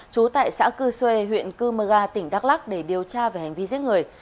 trú tại xã cư xuê huyện cư mơ ga tỉnh đắk lắc để điều tra về hành vi giết người